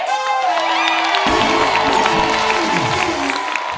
เฮ้ย